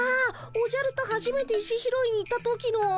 おじゃるとはじめて石拾いに行った時の？